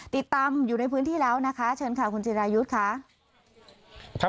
ติดตามอยู่ในพื้นที่แล้วนะคะเชิญค่ะคุณจิรายุทธ์ค่ะ